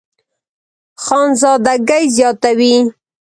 خانزادګۍ زياتوي